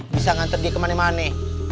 bisa nganter dia kemana mana